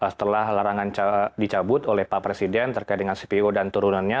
setelah larangan dicabut oleh pak presiden terkait dengan cpo dan turunannya